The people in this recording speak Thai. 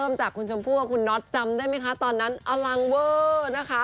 จากคุณชมพู่กับคุณน็อตจำได้ไหมคะตอนนั้นอลังเวอร์นะคะ